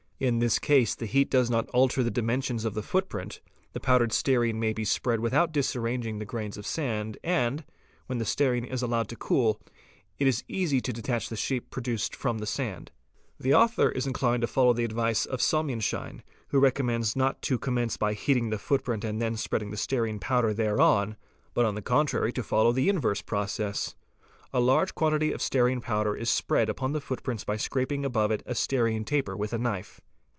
In this case the heat does not alter the di mensions of the footprint, the powdered stearine may be spread without | disarranging the grains of sand, and, when the stearine is allowed to cool, it is easy to detach the shape produced from the sand. 'The author is inclined to follow the advice of Sonnenschein 8 who recommends not to commence by heating the footprint and then spreading the stearine powder thereon, but on the contrary to follow the inverse process. A large quantity of stearine powder is spread upon the footprint by scraping above it a stearine taper with a knife.